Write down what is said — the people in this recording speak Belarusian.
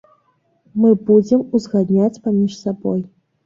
Мы будзем узгадняць паміж сабой.